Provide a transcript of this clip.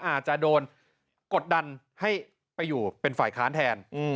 อาจจะโดนกดดันให้ไปอยู่เป็นฝ่ายค้านแทน